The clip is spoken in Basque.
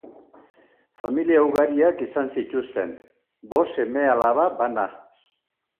Familia ugariak izan zituzten: bost seme-alaba bana.